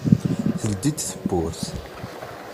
Teldi-d tawwurt.